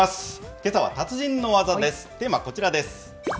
けさは達人の技です。